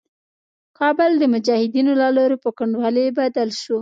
کابل د مجاهدينو له لوري په کنډوالي بدل شو.